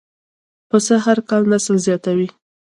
پسه هر کال نسل زیاتوي.